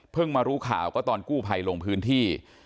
เพิ่งมารู้ข่าวก็ตอนกู้ไพลลงพื้นที่